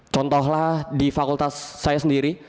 contohlah di fakultas saya sendiri